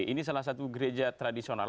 ini salah satu gereja tradisional